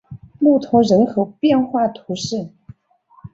穆通人口变化图示